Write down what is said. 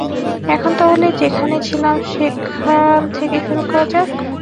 এখন তাহলে, যেখানে ছিলাম সেখার থেকে শুরু করা যাক?